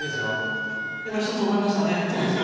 今、１つ覚えましたね。